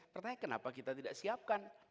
pertanyaan kenapa kita tidak siapkan